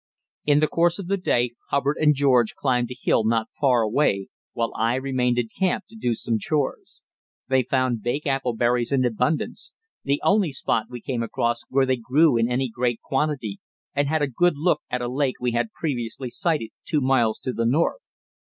In the course of the day Hubbard and climbed a hill not far away, while I remained in camp to do some "chores." They found bake apple berries in abundance the only spot we came across where they grew in any great quantity and had a good look at a lake we had previously sighted two miles to the north.